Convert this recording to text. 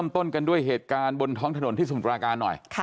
ต้นกันด้วยเหตุการณ์บนท้องถนนที่สมุทราการหน่อย